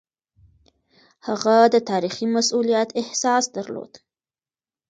هغه د تاريخي مسووليت احساس درلود.